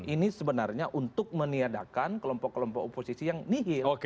ini sebenarnya untuk meniadakan kelompok kelompok oposisi yang nihil